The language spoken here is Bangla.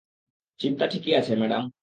চিন্তা ঠিকই আছে, ম্যাডাম।